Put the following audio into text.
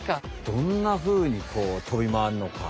どんなふうにこうとびまわるのか。